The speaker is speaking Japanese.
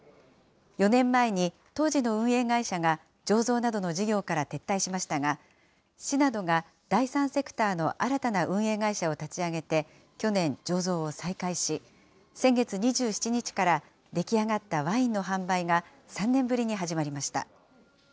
４年前に当時の運営会社が、醸造などの事業から撤退しましたが、市などが第三セクターの新たな運営会社を立ち上げて、去年、醸造を再開し、先月２７日から出来上がったワインの販売が、３年ぶりに始まりました。